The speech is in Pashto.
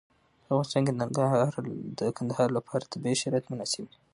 په افغانستان کې د کندهار لپاره طبیعي شرایط مناسب دي.